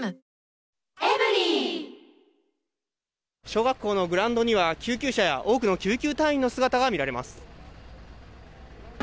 小学校のグラウンドには、救急車や多くの救急隊員の姿が見られます。